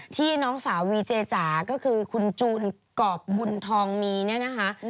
น้องสาววีเจจ๋าก็คือคุณจูนกรอบบุญทองมีเนี่ยนะคะ